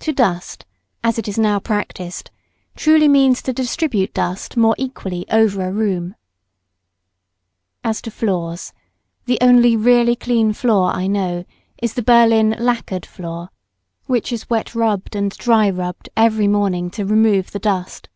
To dust, as it is now practised, truly means to distribute dust more equally over a room. [Sidenote: Floors.] As to floors, the only really clean floor I know is the Berlin lackered floor, which is wet rubbed and dry rubbed every morning to remove the dust.